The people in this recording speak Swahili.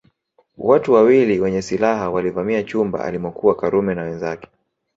Watu wawili wenye silaha walivamia chumba alimokuwa Karume na wenzake